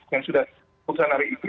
yang sudah keputusan dari ipi